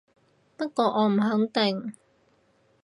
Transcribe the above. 不過我唔肯定